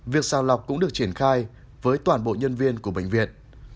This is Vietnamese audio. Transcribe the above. việc sàng lọc cũng được triển khai với toàn bộ nhân viên của bệnh viện